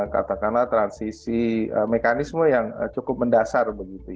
katakanlah transisi mekanisme yang cukup mendasar